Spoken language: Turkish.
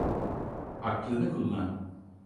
Aklını kullan.